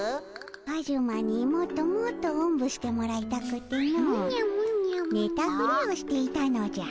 カジュマにもっともっとおんぶしてもらいたくてのねたふりをしていたのじゃ。